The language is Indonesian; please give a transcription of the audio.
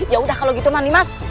ya udah kalau gitu nimas